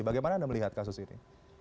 bagaimana anda melihat kasus ini